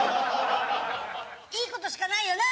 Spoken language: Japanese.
いいことしかないよな？